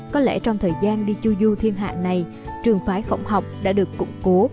có lẽ trong thời gian đi chu du thiên hạ này trường phái khổng học đã được củng cố